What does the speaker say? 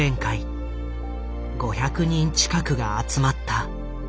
５００人近くが集まった。